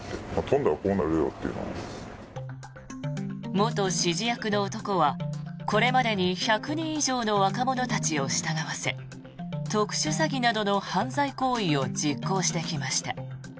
元指示役の男はこれまでに１００人以上の若者たちを従わせ特殊詐欺などの犯罪行為を実行してきました。